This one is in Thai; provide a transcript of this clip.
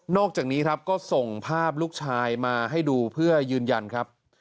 อกจากนี้ครับก็ส่งภาพลูกชายมาให้ดูเพื่อยืนยันครับ